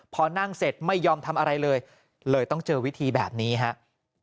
พอนั่งเสร็จไม่ยอมทำอะไรเลยเลยต้องเจอวิธีแบบนี้ครับ